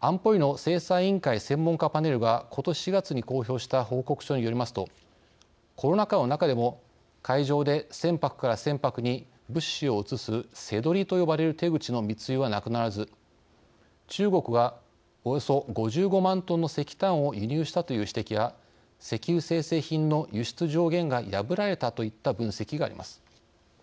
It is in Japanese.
安保理の制裁委員会専門家パネルがことし４月に公表した報告書によりますとコロナ禍の中でも海上で船舶から船舶に物資を移す瀬取りと呼ばれる手口の密輸はなくならず中国がおよそ５５万トンの石炭を輸入したという指摘や石油精製品の輸出上限が破られたといった分析があります。